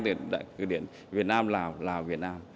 từ đại tư điển việt nam lào lào việt nam